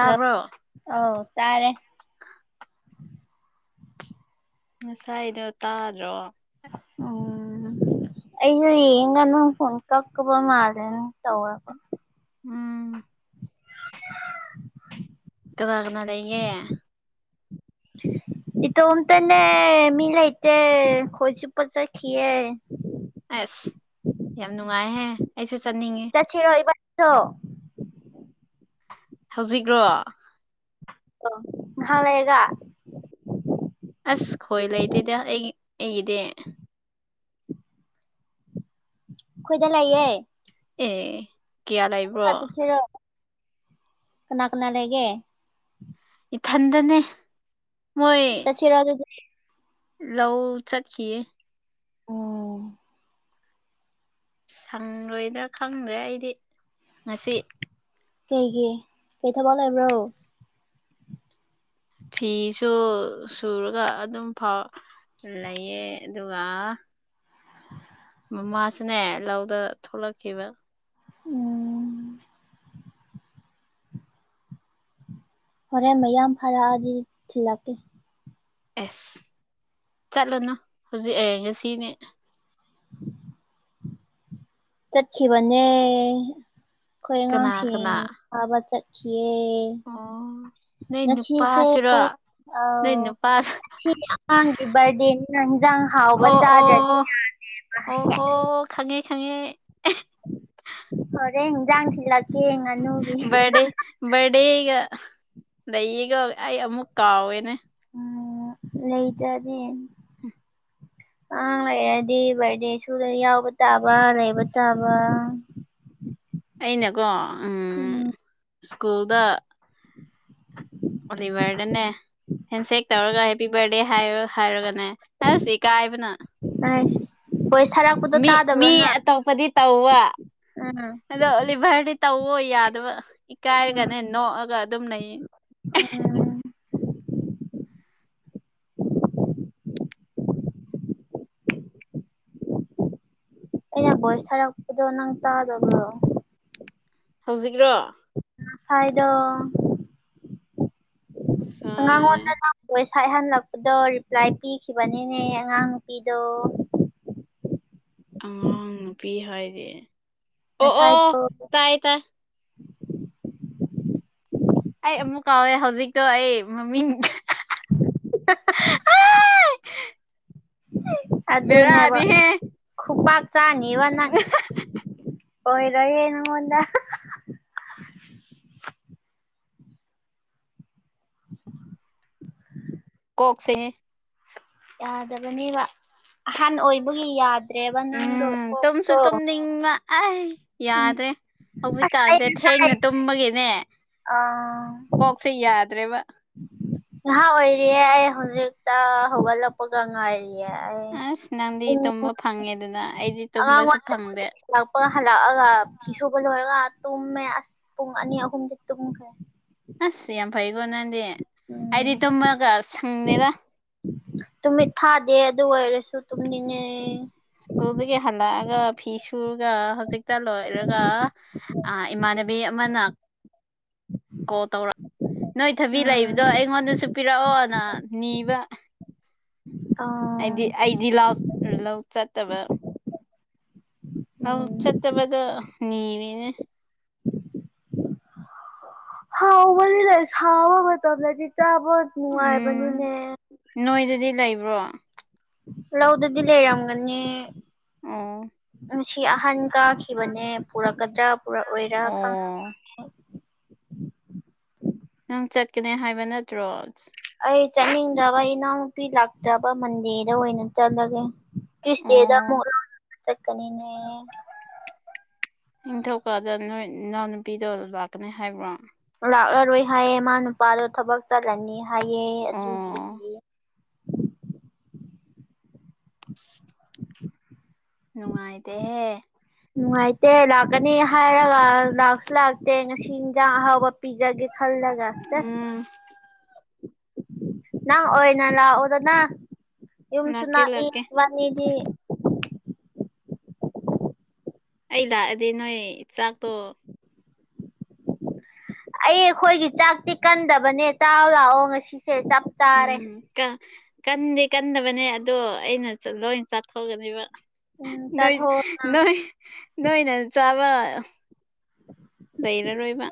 Hello ꯑꯧ ꯇꯥꯔꯦ꯫ ꯉꯁꯥꯏꯗꯣ ꯇꯥꯗ꯭ꯔꯣ꯫ ꯎꯝ꯫ ꯑꯩꯁꯨ ꯌꯦꯡꯒ ꯅꯪ ꯐꯣꯟ ꯀꯛꯄ ꯃꯥꯜꯂꯦꯅ ꯇꯧꯋ‌ꯦꯕ꯫ ꯎꯝ꯫ ꯫ ꯀꯥꯅ ꯀꯥꯅ ꯂꯩꯌ‌ꯦ꯫ ꯫ ꯏꯇꯣꯝꯇꯅꯦ ꯃꯤ ꯂꯩꯥꯇꯦ ꯈꯣꯏ ꯆꯨꯞ ꯆꯠꯈꯤꯌꯦ꯫ ꯑꯁ ꯌꯥꯝ ꯅꯨꯡꯉꯥꯏꯍꯦ ꯑꯩꯁꯨ ꯆꯠꯅꯤꯡꯉ‌ꯦ꯫ ꯆꯠꯁꯤꯔꯣ ꯏꯕꯥꯅꯤꯁꯨ꯫ ꯍꯧꯖꯤꯛꯔꯣ꯫ ꯑꯣ ꯉꯥꯍꯥꯛꯂꯩꯒ꯫ ꯑꯁ ꯈꯣꯏ ꯂꯩꯇꯦꯗ ꯑꯩ ꯑꯩꯒꯤꯗꯤ꯫ ꯑꯈꯣꯏꯗ ꯂꯩꯥꯛꯌꯦ꯫ ꯑꯦ꯫ ꯀꯌꯥ ꯂꯩꯕ꯭ꯔꯣ ꯑꯆꯥ ꯆꯠꯁꯤꯔꯣ ꯀꯅꯥ ꯀꯅꯥ ꯂꯩꯒꯦ꯫ ꯏꯊꯟꯗꯅꯦ ꯃꯣꯏ꯫ ꯆꯁꯤꯔꫭ ꯑꯗꯨꯗꯤ꯫ ꯂꯧ ꯆꯠꯈꯤꯌꯦ꯫ ꯎꯝ꯫ ꯁꯪꯂꯣꯏꯗ꯭ꯔꯥ ꯈꯪꯗ꯭ꯔꯦ ꯑꯩꯗꯤ ꯉꯁꯤ꯫ ꯀꯩꯒꯤ ꯀꯩ ꯊꯕꯛ ꯂꯩꯕ꯭ꯔꯣ꯫ ꯐꯤꯁꯨ ꯁꯨꯔꯒ ꯑꯗꯨꯝ ꯐꯥꯎ ꯂꯩꯌꯦ ꯑꯗꯨꯒ꯫ ꯃꯃꯥꯁꯨꯅꯦ ꯂꯧꯗ ꯊꯣꯛꯂꯛꯈꯤꯕ꯫ ꯎꯝ꯫ ꯍꯣꯔꯦꯟ ꯃꯌꯥꯝ ꯐꯔꯛꯑꯗꯤ ꯊꯤꯜꯂꯛꯀꯦ꯫ ꯑꯦꯁ ꯆꯠꯂꯨꯅꯨ ꯍꯧꯖꯤꯛ ꯑ‌ꯦ ꯉꯁꯤꯅ‌ꯦ꯫ ꯫ ꯆꯠꯈꯤꯕꯅꯦ ꯑꯈꯣꯏ ꯀꯅꯥ ꯀꯅꯥ ꯑꯉꯥꯡꯁꯤꯡ ꯐꯥꯕ ꯆꯠꯈꯤꯌ‌ꯦ꯫ ꯑꯣ ꯅꯣꯏ ꯉꯁꯤꯁꯦ ꯅꯨꯄꯥꯁꯤꯔꯣ ꯅꯣꯏ ꯑꯧ ꯅꯨꯄꯥ ꯑꯉꯥꯡꯒꯤ ꯕꯥꯔꯗꯦꯅꯤꯅ ꯏꯟꯖꯥꯡ ꯍꯥꯎꯕ ꯑꯣ ꯆꯥꯗ꯭ꯔꯅꯤ ꯑꯣ ꯑꯣ ꯌꯥꯅꯦꯕꯁ ꯑꯣ ꯈꯪꯉꯦ ꯈꯪꯉꯦ ꯍꯔꯦ ꯍꯤꯡꯖꯥꯟꯁꯤꯂ ꯕꯥꯔꯗꯦ ꯕꯔꯗꯦꯒ ꯑꯩꯒ ꯑꯩ ꯑꯃꯨꯛ ꯀꯥꯎꯋꯦꯅꯦ ꯎꯝ ꯂꯩ ꯆꯖꯦ [unintelligible] ꯑꯉꯥꯡ ꯂꯩꯔꯗꯤ ꯕꯥꯔꯗꯦ ꯁꯨꯗ ꯌꯥꯎꯕ ꯇꯥꯕ ꯂꯩꯕ ꯇꯥꯕ ꯑꯩꯅꯀꯣ ꯎꯝ ꯁ꯭ꯀꯨꯜꯗ ꯑꯣꯂꯤꯕꯔꯗꯟꯅꯦ ꯍꯦꯟꯁꯦꯛ ꯇꯧꯔꯒ ꯍꯦꯞꯄꯤ ꯕꯥꯔꯗꯦ ꯍꯥꯏꯔ ꯍꯥꯏꯔꯒꯅꯦ ꯍꯥꯏꯔꯁꯤ ꯏ ꯀꯥꯏꯕꯅ ꯑ ꯍꯣꯏ ꯁꯥꯔꯥꯛꯄꯗꯣ ꯇꯥꯗꯕ꯭ꯔꯣꯅ ꯄꯗꯤ ꯇꯥꯎꯋꯥ ꯑꯗ ꯂꯤꯚꯔꯗꯤ ꯇꯧꯋ ꯌꯥꯗꯕ ꯏꯀꯥꯏꯔꯒꯅꯦ ꯅꯣꯛꯑꯒ ꯑꯗꯨꯝ ꯂꯩꯌꯦ ꯑꯝ ꯑꯩꯅ ꯚꯣꯏꯁ ꯊꯔꯛꯄꯗꯣ ꯅꯪ ꯇꯥꯗꯕꯣ ꯍꯧꯖꯤꯛꯔꯣ ꯉꯁꯥꯏꯗꯣ ꯉ ꯁꯥꯏ [unintelligible] ꯚꯣꯏꯁ ꯍꯥꯏꯍꯜꯂꯛꯄꯗꯣ ꯔꯤꯄ꯭ꯂꯥꯏ ꯄꯤꯈꯤꯕꯅꯤꯅꯦ ꯑꯉꯥꯡ ꯅꯨꯨꯄꯤꯗꯣ ꯑꯉꯥꯡ ꯅꯨꯄꯤ ꯍꯥꯏꯗꯤ ꯑꯣ ꯑꯣ ꯉꯁꯥꯏꯗꯣ ꯇꯥꯏ ꯇꯥꯏ ꯑꯩ ꯑꯃꯨꯛ ꯀꯥꯎꯋꯦ ꯍꯧꯖꯤꯛꯇꯣ ꯑꯩ ꯃꯃꯤꯡ ꯑꯗꯨ ꯑꯗꯨꯅꯦꯕ ꯕꯦꯔꯥꯅꯤꯍꯦ ꯈꯨꯄꯥꯛ ꯆꯥꯅꯤ ꯏ ꯋꯥ ꯅ ꯑꯣꯏꯔꯣꯏꯌꯦ ꯅꯪꯉꯣꯟꯗ ꯀꯣꯛꯁꯦ ꯌꯥꯗꯕꯅꯦꯕ ꯑꯍꯟ ꯑꯣꯏꯕꯒꯤ ꯌꯥꯗ꯭ꯔꯦꯕ ꯅꯪꯗꯣ ꯀꯣꯛꯇꯣ ꯑ ꯌꯥꯗ꯭ꯔꯦ ꯑꯁ ꯑꯩ ꯍꯧꯖꯤꯛꯀꯥꯟꯁꯦ ꯉꯁꯥꯏ ꯊꯦꯡꯅ ꯇꯨꯝꯃꯒꯤꯅꯦ ꯑ ꯀꯣꯛ ꯁꯤ ꯌꯥꯗ꯭ꯔꯦꯕ ꯉꯍꯥ ꯑꯣꯏꯔꯤꯌꯦ ꯑꯩ ꯍꯧꯖꯤꯛꯇ ꯍꯧꯒꯠꯂꯛꯄꯒ ꯉꯥꯏꯔꯤ ꯑꯁ ꯅꯪꯗꯤ ꯎ ꯇꯨꯝꯕ ꯐꯪꯉꯦꯗꯅ ꯑꯩꯗꯤ ꯑꯉꯥꯡ ꯇꯨꯝꯕꯁꯨ [unintelligible] ꯐꯪꯗꯦ ꯂꯥꯛꯄꯒ ꯍꯜꯂꯛꯑꯒ ꯐꯤ ꯁꯨꯕ ꯂꯣꯏꯔꯒ ꯇꯨꯝꯃꯦ ꯑꯁ ꯄꯨꯡ ꯑꯅꯤ ꯑꯍꯨꯝꯗꯤ ꯇꯨꯝꯈ꯭ꯔꯦ ꯑꯁ ꯌꯥꯝ ꯐꯩꯀꯣ ꯅꯍꯪꯗꯤ ꯑꯩꯗꯤ ꯎꯝ ꯇꯨꯝꯃꯒ ꯁꯪꯅꯤꯔ ꯇꯨꯃꯤꯠ ꯐꯗꯦ ꯑꯗꯨ ꯑꯣꯏꯔꯁꯨ ꯇꯨꯝꯅꯤꯡꯉꯦ ꯁ꯭ꯀꯨꯜꯗꯒꯤ ꯍꯜꯂꯛꯑꯒ ꯐꯤ ꯁꯨꯔꯒ ꯍꯧꯖꯤꯛꯇ ꯂꯣꯏꯔꯒ ꯑ ꯏꯃꯥꯟꯅꯕꯤ ꯑꯃꯅ ꯀꯣꯜ ꯇꯧꯔꯛ ꯅꯣꯏ ꯊꯕꯤ ꯎꯝ ꯂꯩꯕꯗꯣ ꯑꯩꯉꯣꯟꯗꯁꯨ ꯄꯤꯔꯛꯑꯣꯅ ꯅꯤꯕ ꯑꯣ ꯑꯩꯗꯤ ꯑꯩꯗꯤ ꯂꯥꯎ ꯂꯧ ꯆꯠꯇꯕ ꯂꯧ ꯎꯝ ꯆꯠꯇꯕꯗꯣ ꯅꯤꯕꯅꯦ ꯍꯥꯎꯕꯅꯤ ꯂꯩ ꯁꯥꯕ ꯃꯇꯝꯗꯗꯤ ꯆꯥꯕ ꯎꯝ ꯅꯨꯡꯉꯥꯏꯕꯅꯤꯅꯦ ꯅꯣꯏꯗꯗꯤ ꯂꯩꯕ꯭ꯔꯣ ꯂꯧꯗꯗꯤ ꯂꯩꯔꯝꯒꯅꯤ ꯑꯣ ꯁꯤ ꯑꯍꯟ ꯀꯥꯈꯤꯕꯅꯦ ꯄꯨꯔꯛꯀꯗ꯭ꯔꯥ ꯄꯨꯔꯛꯑꯣꯏꯔꯥ ꯈꯪ ꯑꯣ ꯅꯪ ꯆꯠꯀꯅꯦ ꯍꯥꯏꯕ ꯅꯠꯇ꯭ꯔꯣ ꯑꯩ ꯆꯠꯅꯤꯡꯗ꯭ꯔꯕ ꯏꯅꯥꯎꯅꯨꯄꯤ ꯂꯥꯛꯇ꯭ꯔꯕ ꯃꯟꯗꯦꯗ ꯑꯣꯏꯅ ꯆꯠꯂꯒꯦ ꯇꯨ꯭ꯁꯗꯦ ꯑꯣ ꯑꯃꯨꯛ ꯏꯅꯥꯎ ꯅꯨꯄꯤ ꯆꯀꯅꯤ ꯅꯤꯡꯊꯧꯀꯥꯗ ꯅꯣꯏ ꯏꯅꯥꯎꯅꯨꯄꯤꯗꯣ ꯂꯥꯛꯀꯅꯤ ꯍꯥꯏꯕ꯭ꯔꯣ ꯂꯥꯛꯂꯔꯣꯏ ꯍꯥꯏꯌꯦ ꯃꯥ ꯅꯨꯄꯥꯗꯣ ꯊꯕꯛ ꯆꯠꯂꯅꯤ ꯍꯥꯏꯑꯦ ꯑꯗꯨꯒꯤ ꯑꯣ ꯅꯨꯡꯉꯥꯏꯇꯦꯍꯦ ꯅꯨꯡꯉꯥꯏꯇꯦ ꯂꯥꯛꯀꯅꯤ ꯍꯥꯏꯔꯒ ꯂꯥꯛꯁꯨ ꯂꯥꯛꯇꯦ ꯉꯁꯤ ꯏꯟꯁꯥꯡ ꯑꯍꯥꯎꯕ ꯄꯤꯖꯒꯦ ꯊꯜꯂꯒ ꯆ ꯎꯝ ꯅꯪ ꯑꯣꯏ ꯅ ꯂ ꯑꯣꯗꯗꯥ ꯌꯨꯝꯁꯨꯅ ꯂꯥꯛꯀꯦ ꯂꯥꯛꯀꯦ ꯃꯗꯤ ꯑꯩ ꯂꯥꯛꯑꯗꯤ ꯅꯣꯏ ꯆꯥꯛꯇꯣ ꯑꯩ ꯑꯩꯈꯣꯏꯒꯤ ꯆꯥꯛꯇꯤ ꯀꯟꯗꯕꯅꯦ ꯇꯥꯎ ꯂꯥꯛꯑꯣ ꯉꯁꯤꯁꯦ ꯆꯞ ꯆꯥꯔꯦ ꯀꯟꯗꯦ ꯀꯟꯗꯕꯅꯦ ꯑꯗꯣ ꯑꯩꯅ ꯂꯣꯏ ꯆꯥꯊꯣꯛꯒꯅꯦꯕ ꯎꯝ ꯅꯣꯏ ꯆꯥꯊꯣꯛꯑꯣꯅ ꯅꯣꯏ ꯅꯣꯏꯅ ꯆꯥꯕ ꯂꯩꯔꯔꯣꯏꯕ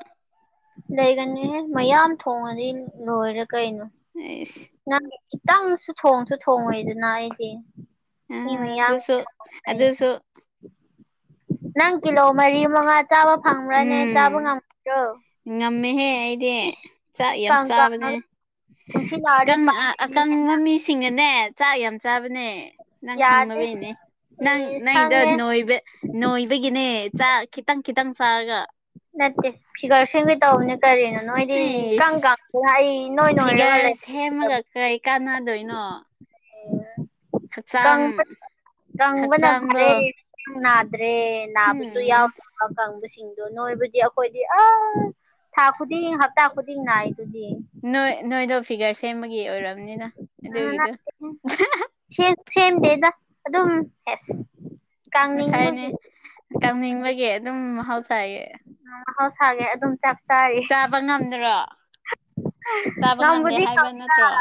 ꯂꯩꯒꯅꯤꯍꯦ ꯃꯌꯥꯝ ꯊꯣꯡꯉꯗꯤ ꯂꯣꯏꯔꯦ ꯀꯩꯅꯣ ꯑꯁ ꯅꯪ ꯈꯤꯇꯪꯁꯨ ꯊꯣꯡꯁꯨ ꯊꯣꯡꯉꯦꯗꯅ ꯑꯩꯗꯤ ꯏꯃꯦ ꯌꯥꯉ ꯁ ꯅꯪ ꯀꯤꯂꯣ ꯃꯔꯤ ꯃꯉꯥ ꯆꯥꯕ ꯐꯪꯕ꯭ꯔꯅꯦ ꯆꯥꯕ ꯎꯝ ꯉꯝꯃ꯭ꯔꯣ ꯉꯝꯃꯦꯍꯦ ꯑꯩꯗꯤ ꯆꯥꯛ ꯌꯥꯝ ꯀꯪ ꯆꯥꯕꯅꯦ ꯀꯪꯉꯒ ꯅꯨꯡꯁꯤꯠ ꯂꯥꯛꯑꯗꯤ ꯑꯀꯪ ꯄꯥꯏꯔꯅꯤꯅꯦ ꯃꯃꯤꯁꯤꯡꯅꯅꯦ ꯆꯥꯛ ꯌꯥꯝ ꯆꯥꯕꯅꯦ ꯅꯪ ꯌꯥꯗꯦ ꯈꯪꯗꯕꯦꯅꯦ ꯅꯪ ꯑꯦ ꯅꯪꯗ ꯈꯪꯉꯦ ꯅꯣꯏꯕ ꯅꯣꯏꯕꯒꯤꯅꯦ ꯆꯥꯛ ꯈꯤꯇꯪ ꯈꯤꯇꯪ ꯆꯥꯔꯒ ꯅꯠꯇꯦ ꯐꯤꯒꯔ ꯁꯒ ꯇꯧꯕꯅꯦ ꯀꯔꯤꯅꯣ ꯅꯣꯏꯗꯤ ꯏ ꯑꯩꯁ ꯀꯒ ꯑꯗꯨ ꯑꯩ ꯅꯣꯏ ꯅꯣꯏꯔꯒ ꯐꯤꯒꯔ ꯂꯩ ꯁꯦꯝꯃꯒ ꯀꯔꯤ ꯀꯥꯟꯅꯗꯣꯏꯅꯣ ꯎ ꯀꯪ ꯍꯛꯆꯥꯡ ꯀꯪꯕꯅ ꯍꯛꯆꯥꯡꯗꯣ ꯐꯔꯦ ꯅꯥꯗ꯭ꯔꯦ ꯅꯥꯕꯁꯨ ꯌꯥꯎ ꯎꯝ ꯀꯪꯕꯁꯤꯡꯗꯣ ꯅꯣꯏꯕꯨꯗꯤ ꯑꯩꯈꯣꯏꯗꯤ ꯑ ꯊꯥ ꯈꯨꯗꯤꯡ ꯍꯞꯇꯥ ꯈꯨꯗꯤꯡꯅꯏ ꯑꯗꯨꯗꯤ ꯅꯣꯏ ꯅꯣꯏꯗꯣ ꯐꯤꯒꯔ ꯁꯦꯝꯕꯒꯤ ꯑꯣꯏꯔꯝꯅꯤꯅ ꯑꯗꯨꯒꯤꯗꯣ ꯑ ꯁꯦꯝꯗꯦꯗ ꯑꯗꯨꯝ ꯌꯦꯁ ꯉꯁꯥꯏꯅꯤ ꯇꯪꯅꯤꯡꯕꯒꯤ ꯑꯗꯨꯝ ꯃꯍꯥꯎꯁꯥꯌꯦ ꯍꯥꯎꯁꯒꯦ ꯑꯗꯨꯝ ꯆꯞ ꯆꯥꯔ ꯆꯥꯕ ꯉꯝꯗ꯭ꯔꯣ ꯆꯥꯕ ꯉꯝꯗꯦ ꯍꯥꯏꯕ ꯅꯠꯇ꯭ꯔꯣ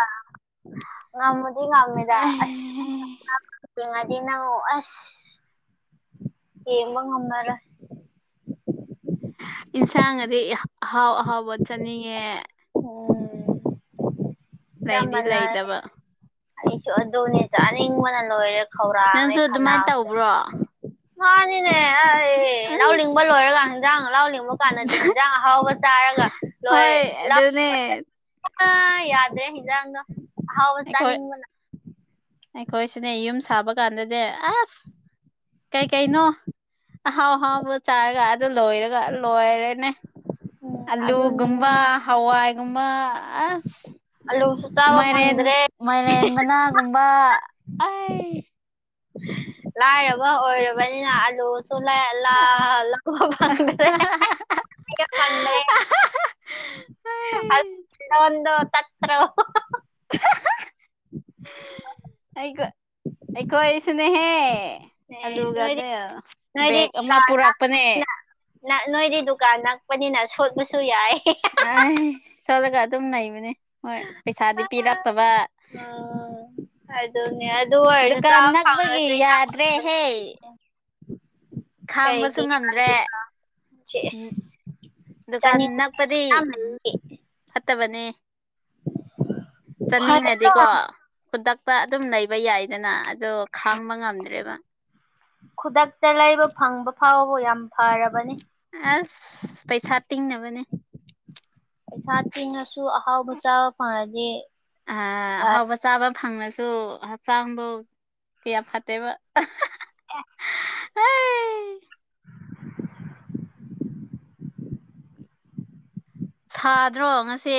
ꯉꯝꯃꯗꯤ ꯉꯝꯃꯤꯃꯦꯗ ꯑꯁꯉꯗꯤ ꯅ ꯑꯁ ꯌꯦꯕ ꯉꯝꯃꯔ ꯏꯟꯁꯥꯡ ꯑꯗꯤ ꯑꯍꯥꯎ ꯑꯍꯥꯎꯕ ꯆꯠꯅꯤꯡꯉꯦ ꯎꯝ ꯀꯌꯥ ꯂꯩꯗꯤ ꯃꯅꯥꯑ ꯂꯩꯇꯕ ꯑꯩꯁꯨ ꯑꯗꯨꯅꯦ ꯆꯥꯅꯤꯡꯕꯅ ꯂꯣꯏꯔꯦ ꯈꯧꯔꯥꯡꯉꯦ ꯅꯪꯁꯨ ꯑꯗꯨꯃꯥꯏꯅ ꯈꯅꯥꯎꯁꯦ ꯇꯧꯕ꯭ꯔꯣ ꯃꯥꯅꯤꯅꯦ ꯑꯩ ꯑꯁ ꯂꯥꯎꯅꯤꯡꯕ ꯂꯣꯏꯔꯒ ꯍꯤꯟꯖꯥꯡ ꯂꯥꯎꯅꯤꯡꯕ ꯀꯥꯟꯗꯗꯤ ꯌꯦꯟꯖꯥꯡ ꯑꯍꯥꯎꯕ ꯆꯥꯔꯒ ꯂꯣꯏ ꯍꯣꯏ ꯂ ꯑꯗꯨꯅꯦ ꯑ ꯌꯥꯗ꯭ꯔꯦ ꯍꯤꯟꯖꯥꯡ ꯍꯥꯎ ꯑꯩꯈꯣꯏ ꯆꯥꯅꯤꯡꯕꯅ ꯑꯩꯈꯣꯏꯁꯤꯅꯦ ꯌꯨꯝ ꯁꯥꯕ ꯀꯥꯟꯗꯗꯤ ꯑꯁ ꯀꯩꯀꯩꯅꯣ ꯑꯍꯥꯎ ꯑꯍꯥꯎꯕ ꯆꯥꯔꯒ ꯑꯗꯨ ꯂꯣꯏꯔꯒ ꯂꯣꯏꯔꯦꯅꯦ ꯎꯝ ꯑꯗꯨꯅꯦ ꯑꯜꯂꯨꯒꯕ ꯍꯋꯥꯏꯒꯨꯝꯕ ꯑ ꯑꯂꯨꯁꯨ ꯆꯥꯕ ꯐꯪꯗ꯭ꯔꯦ ꯀꯨꯝꯕ ꯂꯥꯏꯔꯕ ꯑꯣꯏꯔꯕꯅꯤꯅ ꯑꯂꯨꯁꯨ ꯂꯥꯏꯂꯥꯂꯪꯗꯦ ꯐꯟ꯭ꯔꯦ ꯑꯩꯈꯣꯏ ꯇꯈ꯭ꯔ ꯑꯩꯣ ꯑꯩꯈꯣꯏꯁꯨꯅꯦꯍꯦ ꯑꯦꯣꯏꯗꯤ ꯑꯂꯨꯒꯗꯤ ꯅꯣꯏꯗꯤ ꯕꯦꯒ ꯑꯃ ꯄꯨꯔꯛꯄꯅꯦ ꯅꯣꯏꯗꯤ ꯗꯨꯀꯥꯟ ꯅꯛꯄꯅꯤꯅ ꯁꯣꯠꯄꯁꯨ ꯌꯥꯏ ꯑ ꯆꯂꯒ ꯑꯗꯨꯝꯅ ꯃꯅꯦ ꯍꯣꯏ ꯄꯩꯁꯥꯗꯤ ꯄꯤꯔꯛꯇꯕ ꯎꯝ ꯑꯗꯨꯅꯦ ꯑꯗꯨ ꯑꯣꯏꯔꯁꯨ ꯗꯨꯀꯥꯟꯅ ꯆꯥꯕ ꯀꯛꯕꯒꯤ ꯌꯥꯗ꯭ꯔꯦ ꯍꯦ ꯀꯒꯤ ꯉꯝꯗ꯭ꯔꯦ ꯗꯨꯀꯥꯟ ꯆꯅꯤꯦ ꯅꯛꯄꯗꯤ ꯐꯠꯇꯕꯅꯦ ꯐꯔꯦꯗ ꯆꯠꯅꯤꯡꯅꯗꯤꯦꯀꯣ ꯈꯨꯗꯛꯇ ꯑꯗꯨꯝ ꯂꯩꯕ ꯌꯥꯏꯗꯅ ꯑꯗꯣ ꯈꯥꯡꯕ ꯉꯝꯗ꯭ꯔꯦꯕ ꯈꯨꯗꯛꯇ ꯂꯩꯕ ꯐꯪꯕ ꯐꯥꯎꯕ ꯌꯥꯝ ꯐꯔꯕꯅꯤ ꯑꯁ ꯄꯩꯁꯥ ꯇꯤꯡꯅꯕꯅꯦ ꯄꯩꯁꯥ ꯇꯤꯟꯅꯁꯨ ꯑꯍꯥꯎꯕ ꯆꯥꯕ ꯐꯥꯔꯗꯤꯦ ꯑꯍꯥꯎꯕ ꯆꯥꯕ ꯐꯪꯉꯁꯨ ꯍꯛꯆꯥꯡꯗꯣ ꯀꯌꯥ ꯐꯠꯇꯦꯕ ꯑꯦ ꯊꯥꯗ꯭ꯔꯣ ꯉꯁꯦ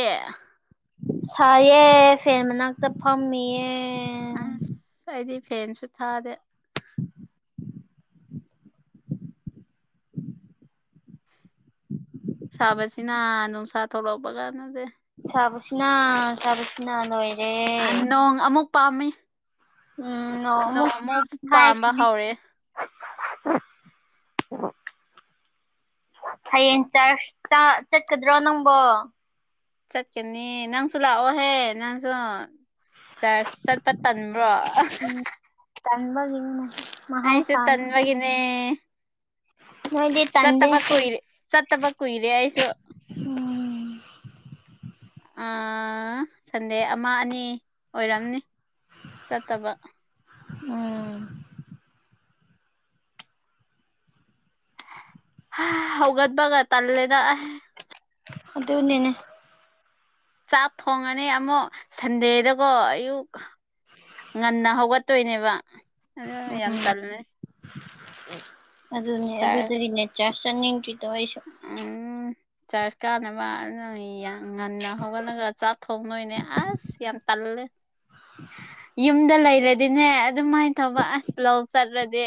ꯁꯌꯦꯦ ꯐꯦꯟ ꯃꯅꯥꯛꯇ ꯐꯝꯃꯤꯌꯦ ꯑ ꯍꯥꯏꯗꯤ ꯐꯦꯟꯁꯨ ꯊꯥꯗꯦ ꯁꯥꯕꯁꯤꯅ ꯅꯨꯡꯁꯥ ꯊꯣꯛꯂꯛꯄ ꯀꯥꯟꯅꯗꯦ ꯆꯕꯁꯤꯅ ꯆꯕꯁꯤꯅ ꯅꯣꯏ ꯅꯣꯡ ꯑꯃꯨꯛ ꯄꯥꯝꯃꯤ ꯅꯣꯡꯃꯨꯛ ꯎꯝꯁꯤ ꯄꯥꯝꯕ ꯍꯧꯔꯦ ꯎ ꯍꯌꯦꯡ ꯆ ꯆꯠꯀꯗ꯭ꯔꯣ ꯅꯪꯕꯣ ꯆꯠꯀꯅꯤ ꯅꯪꯁꯨ ꯂꯥꯛꯑꯣꯍꯦ ꯅꯪꯁꯨ ꯆꯔꯁ ꯆꯠꯄ ꯇꯟꯕ꯭ꯔꯣ ꯇꯟꯕꯒꯤꯃꯦ ꯑꯁ ꯇꯟ ꯃꯒꯅꯦ ꯅꯣꯏꯗꯤ ꯇꯟꯗꯦ ꯆꯠꯇꯕ ꯀꯨ ꯏꯔꯤꯦ ꯆꯠꯇꯕ ꯀꯨꯏꯔꯦ ꯑꯩꯁꯨ ꯑꯣꯝ ꯁꯟꯗꯦ ꯑꯃ ꯑꯅꯤ ꯑꯣꯏꯔꯝꯅꯤ ꯆꯠꯇꯕ ꯎꯝ ꯍꯧꯒꯠꯕꯒ ꯇꯜꯂꯦꯗ ꯑ ꯑꯗꯨ ꯑꯣꯅꯤꯅꯦ ꯆꯥꯛ ꯊꯣꯡꯉꯅꯤ ꯑꯃꯨꯛ ꯁꯟꯗꯦꯗꯀꯣ ꯑꯌꯨꯛ ꯉꯟꯅ ꯍꯧꯒꯠꯇꯣꯏꯅꯦꯕ ꯑꯗꯨ ꯌꯥꯝ ꯎꯝ ꯇꯜꯃꯦ ꯑꯗꯨꯅꯦ ꯆꯥꯔ ꯑꯗꯨꯗꯤꯅꯦ ꯆꯥ ꯆꯥꯅꯤꯡꯗ꯭ꯔꯤ ꯇ ꯑꯩꯁꯨ ꯎꯝ ꯆꯔꯀꯥꯅꯕꯅ ꯏ ꯉꯟꯅ ꯍꯧꯒꯠꯂꯒ ꯆꯥꯛ ꯊꯣꯡ ꯅꯣꯏꯅꯦ ꯑꯁ ꯌꯥꯝ ꯇꯜꯂꯦ ꯌꯨꯝꯗ ꯂꯩꯔꯗꯤꯅꯦ ꯑꯗꯨꯃꯥꯏꯅ ꯇꯧꯕ ꯑꯁ ꯂꯧ ꯆꯠꯂꯗꯤ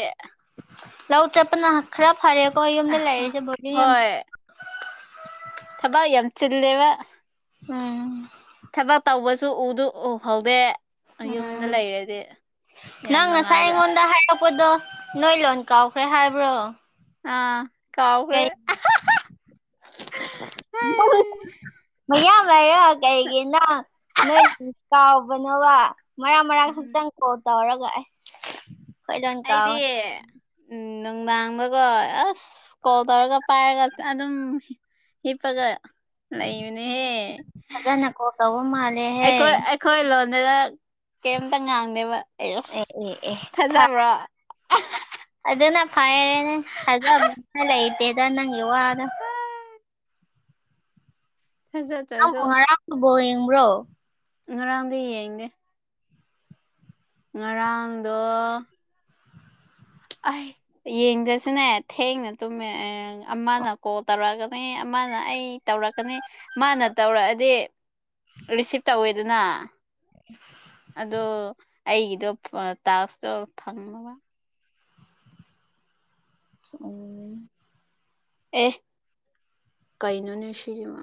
ꯂꯧ ꯆꯠꯄꯅ ꯈꯔ ꯐꯔꯦꯀꯣ ꯌꯨꯝꯗ ꯂꯩꯔꯤꯁꯦ ꯕꯣꯔꯤꯡ ꯌꯥꯝ ꯍꯣꯏ ꯊꯕꯛ ꯌꯥꯝ ꯆꯤꯜꯂꯦꯕ ꯎꯝ ꯊꯕꯛ ꯇꯧꯕꯁꯨ ꯎꯗꯣꯛꯎ ꯍꯥꯎꯗꯦ ꯎꯝ ꯌꯥꯝ ꯅꯪ ꯉꯁꯥꯏ ꯅꯨꯡꯉꯥꯏꯕ ꯑꯩꯉꯣꯟꯗ ꯍꯥꯏꯔꯛꯄꯗꯣ ꯅꯣꯏ ꯂꯣꯟ ꯀꯥꯎꯈ꯭ꯔꯦ ꯍꯥꯏꯕ꯭ꯔꯣ ꯑ ꯀꯥꯎꯒꯔꯦ ꯃ ꯃꯌꯥꯝ ꯂꯩꯌꯦ ꯀꯩꯒꯤꯅꯣ ꯅꯣꯏ ꯀꯥꯎꯒꯅꯣꯕ ꯃꯔꯥꯛ ꯃꯔꯥꯒ ꯈꯛꯇꯪ ꯒꯣꯜ ꯇꯧꯔꯒ ꯑꯁ ꯂꯣꯟ ꯀꯥꯎ ꯑꯩꯗꯤ ꯎꯝ ꯅꯨꯡꯗꯥꯡꯗꯒꯣ ꯑꯁ ꯀꯣꯜ ꯇꯧꯔꯒ ꯄꯥꯏꯔꯒ ꯑꯗꯨꯝ ꯍꯤꯞꯄꯒ ꯂꯩꯕꯅꯦꯍꯦ ꯐꯖꯅ ꯀꯣꯜ ꯇꯧꯕ ꯃꯥꯂꯦ ꯍꯦ ꯈꯣꯏ ꯂꯣꯢꯅꯔꯛ ꯀꯩꯝꯇ ꯉꯥꯡꯗꯦꯕ ꯑꯦꯁ ꯑꯦ ꯑꯦ ꯑꯦ ꯊꯥꯖꯕꯔꯣ ꯑꯗꯨꯅ ꯐꯔꯦꯅꯦ ꯊꯥꯖꯕ ꯑꯃ ꯂꯩꯇꯦꯗ ꯅꯪꯒꯤ ꯋꯥꯗꯣ ꯊꯨꯖꯛ [inaudible] ꯅꯪꯕꯨ ꯉꯔꯥꯡ ꯕꯣꯜ ꯌꯦꯡꯕ꯭ꯔꯣ ꯉꯔꯥꯡꯗꯤ ꯌꯦꯡꯗꯦ ꯉꯔꯥꯡꯗꯣ ꯑꯩ ꯌꯦꯡꯗ꯭ꯔꯁꯨꯅꯦ ꯊꯦꯡꯅ ꯇꯨꯝꯃꯦ ꯑꯦ ꯑꯃꯅ ꯀꯣꯜ ꯇꯧꯔꯛꯑꯝꯃꯦ ꯑꯃꯅ ꯑꯩ ꯇꯧꯔꯛꯀꯅꯤ ꯃꯥꯅ ꯇꯧꯔꯛꯑꯗꯤ ꯔꯤꯁꯤꯞ ꯇꯧꯋꯦꯗꯅ ꯑꯗꯣ ꯑꯩꯒꯤꯗꯣ ꯇꯥꯛꯁꯇꯣ ꯐꯪꯗꯕ ꯎꯝ ꯑꯦ ꯀꯩꯅꯣꯅꯦ ꯁꯤꯕꯣ